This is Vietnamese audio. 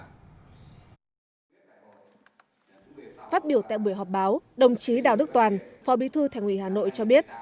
phát biểu tại buổi họp báo đồng chí đào đức toàn phó bí thư thành ủy hà nội cho biết